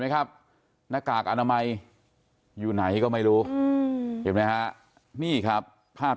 ครับหน้ากากอนามัยอยู่ไหนก็ไม่รู้เห็นไหมฮะนี่ครับภาพ